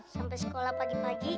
sampai sekolah pagi pagi